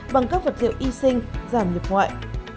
bằng các vật liệu y sinh giảm nhập ngoại